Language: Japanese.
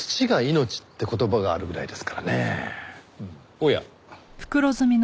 おや？